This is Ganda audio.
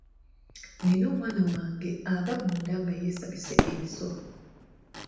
Nnina omwana wange ava munda nga yeesabise ebiso.